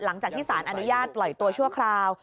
หลังจากที่สารอนุญาตปล่อยตัวชั่วคราว